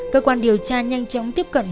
cơ quan điều tra nhanh chóng tiếp cận